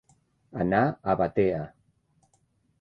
Anar a Batea.